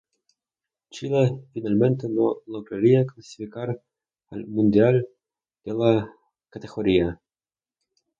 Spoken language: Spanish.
Chile finalmente no lograría clasificar al mundial de la categoría.